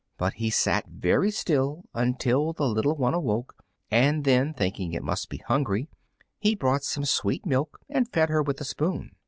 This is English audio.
But he sat very still until the little one awoke, and then, thinking it must be hungry, he brought some sweet milk and fed her with a spoon.